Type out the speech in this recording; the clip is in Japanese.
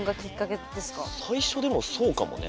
最初でもそうかもね。